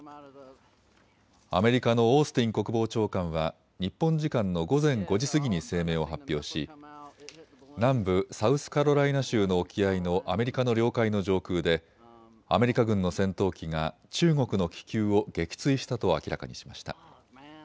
アメリカのオースティン国防長官は日本時間の午前５時過ぎに声明を発表し、南部サウスカロライナ州の沖合のアメリカの領海の上空でアメリカ軍の戦闘機が中国の気球を撃墜したと明らかにしました。